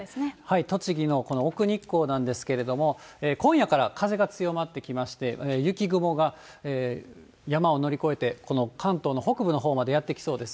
栃木のこの奥日光なんですけれども、今夜から風が強まってきまして、雪雲が山を乗り越えて、この関東の北部のほうまでやって来そうです。